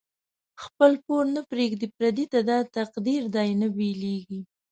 خپل پور نه پریږدی پردی ته، دا تقدیر دۍ نه بیلیږی